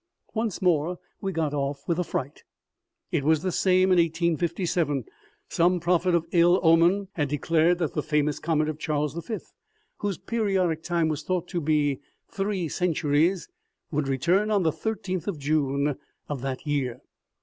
Once more we got off with a fright. It was the same in 1857. Some prophet of ill omen had declared that the famous comet of Charles v., whose periodic time was thought to be three centuries, would return on the i3th of June of that year.